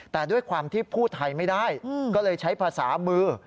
แต่ด้วยความที่พูดไทยไม่ได้ก็เลยใช้ภาษามือ